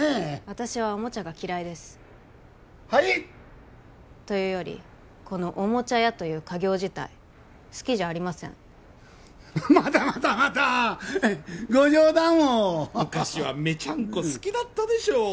私はおもちゃが嫌いですはい？というよりこのおもちゃ屋という家業自体好きじゃありませんまたまたまたご冗談を昔はメチャンコ好きだったでしょう？